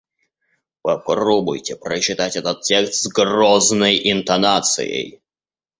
Попробуйте прочитать этот текст с грозной интонацией.